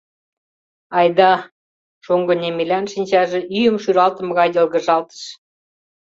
— Айда? — шоҥго Немелян шинчаже ӱйым шӱралтыме гай йылгыжалтыш.